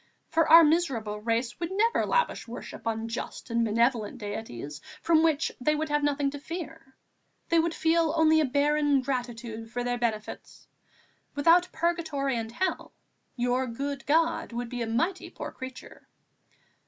For our miserable race would never lavish worship on just and benevolent deities from which they would have nothing to fear; they would feel only a barren gratitude for their benefits. Without purgatory and hell, your good God would be a mighty poor creature."